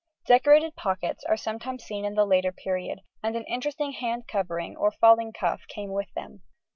Decorated pockets are sometimes seen in the later period, and an interesting hand covering or falling cuff came with them.